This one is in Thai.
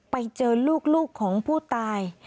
ไปเจอลูกของผู้ตาย